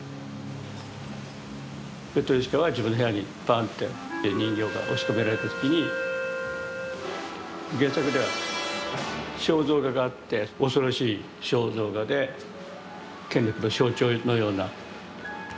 ペトルーシュカは自分の部屋にバンって人形が押し込められた時に原作では肖像画があって恐ろしい肖像画で権力の象徴のような。